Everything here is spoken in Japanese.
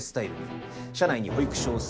社内に保育所を設置。